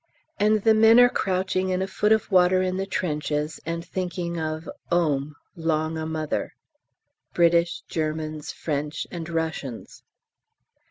And the men are crouching in a foot of water in the trenches and thinking of "'ome, 'long o' Mother," British, Germans, French, and Russians.